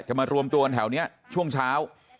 มารวมตัวกันแถวนี้ช่วงเช้า